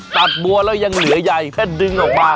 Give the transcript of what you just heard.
บัวแล้วยังเหลือใหญ่แค่ดึงออกมา